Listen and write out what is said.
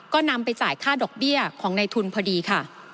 ก็นำไปจ่ายค่าดอกเบี้ยของในทุนพอดีค่ะ